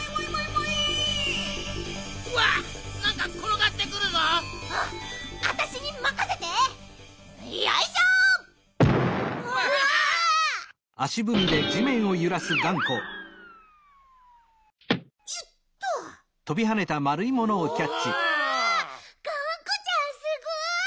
がんこちゃんすごい！